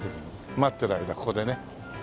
待ってる間ここでね。